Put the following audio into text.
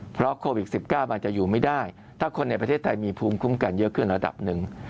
เพราะโควิด๑๙มันจะอยู่ไม่ได้ถ้าคนในประเทศไทยมีภูมิคุ้มกันเยอะขึ้นระดับหนึ่ง